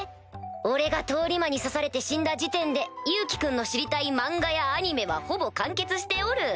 俺が通り魔に刺されて死んだ時点でユウキ君の知りたい漫画やアニメはほぼ完結しておる。